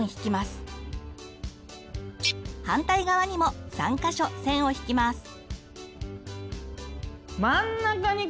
反対側にも３か所線を引きます。